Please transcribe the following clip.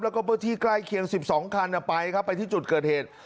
แล้วก็พื้นที่ใกล้เคียง๑๒คันไปครับไปที่จุดเกิดเหตุ